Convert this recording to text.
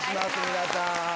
皆さん。